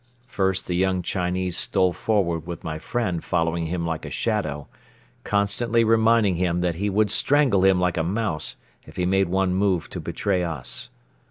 First the young Chinese stole forward with my friend following him like a shadow, constantly reminding him that he would strangle him like a mouse if he made one move to betray us.